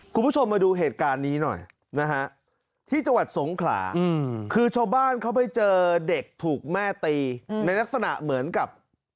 คุณผู้ชมมาดูเหตุการณ์นี้หน่อยนะฮะที่จังหวัดสงขลาคือชาวบ้านเขาไปเจอเด็กถูกแม่ตีในลักษณะเหมือนกับ